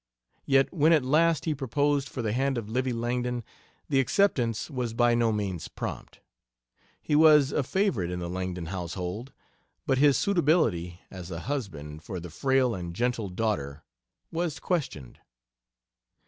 Yet when at last he proposed for the hand of Livy Langdon the acceptance was by no means prompt. He was a favorite in the Langdon household, but his suitability as a husband for the frail and gentle daughter was questioned.